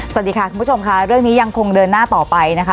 สวัสดีค่ะคุณผู้ชมค่ะเรื่องนี้ยังคงเดินหน้าต่อไปนะคะ